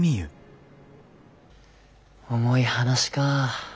重い話かぁ。